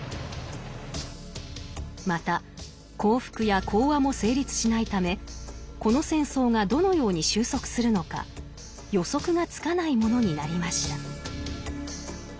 また降伏や講和も成立しないためこの戦争がどのように収束するのか予測がつかないものになりました。